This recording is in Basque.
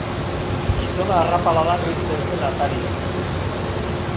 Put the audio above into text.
Gizona arrapaladan irten zen ataritik.